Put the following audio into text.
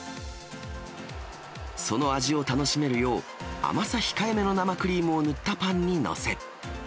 その味を楽しめるよう、甘さ控えめの生クリームを塗ったパンに載せ。